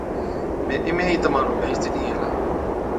مين اِمهين ئِي تمهان نُون بيهنچتِي ڏِيئَين هُلا۔